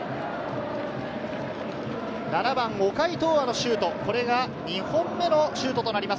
７番・岡井陶歩のシュート、これが２本目のシュートとなります